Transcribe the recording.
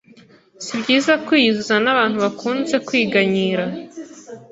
Si byiza kwiyuzuza n’abantu bakunze kwiganyira